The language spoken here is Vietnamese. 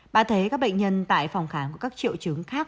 bạn thấy các bệnh nhân tại phòng kháng của các triệu chứng khác